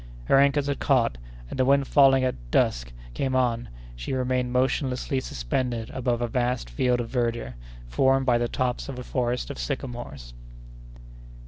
Her anchors had caught, and, the wind falling as dusk came on, she remained motionlessly suspended above a vast field of verdure, formed by the tops of a forest of sycamores.